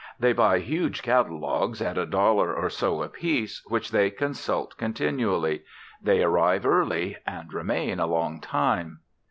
They buy huge catalogues at a dollar or so apiece, which they consult continually. They arrive early and remain a long time.